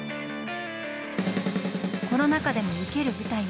コロナ禍でもウケる舞台を。